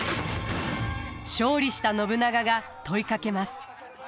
勝利した信長が問いかけます。